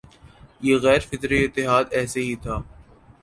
یہ غیر فطری اتحاد ایسے ہی تھا